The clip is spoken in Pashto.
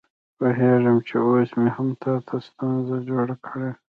پوهېږم چې اوس مې هم تا ته ستونزه جوړه کړې.